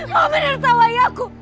mau menertawai aku